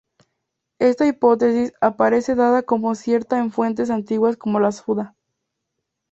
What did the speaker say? Esta hipótesis aparece dada como cierta en fuentes antiguas como la Suda